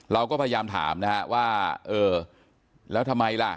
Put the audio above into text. เราก็พยายามถามนะฮะว่าเออแล้วทำไมล่ะ